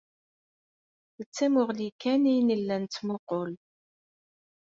D tamuɣli kan ay nella nettmuqqul.